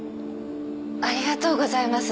ありがとうございます。